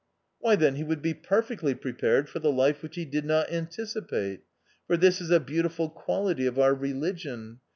" Why, then he would be perfectly prepared for the life which he did not anticipate. For this is a beautiful quality of our religion.